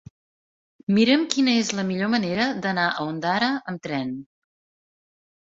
Mira'm quina és la millor manera d'anar a Ondara amb tren.